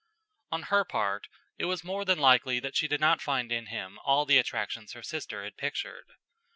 On her part, it was more than likely that she did not find in him all the attractions her sister had pictured.